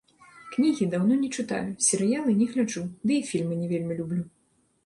Кнігі даўно не чытаю, серыялы не гляджу, ды і фільмы не вельмі люблю.